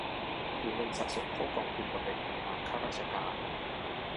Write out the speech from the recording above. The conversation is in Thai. หรือเงินสะสมเข้ากองทุนบำเหน็จบำนาญข้าราชการ